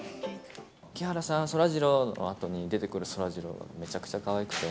木原さん、そらジローのあとに出てくるそらジローが、めちゃくちゃかわいくて。